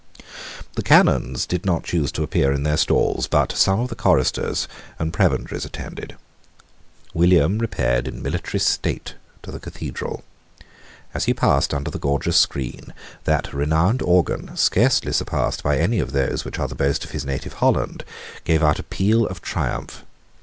The Canons did not choose to appear in their stalls; but some of the choristers and prebendaries attended. William repaired in military state to the Cathedral. As he passed under the gorgeous screen, that renowned organ, scarcely surpassed by any of those which are the boast of his native Holland, gave out a peal of triumph.